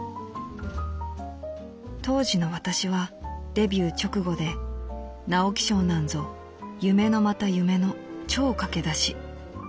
「当時の私はデビュー直後で直木賞なんぞ夢のまた夢の超駆け出し。